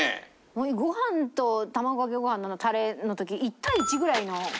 ご飯と卵かけご飯のタレの時１対１ぐらいの感じで。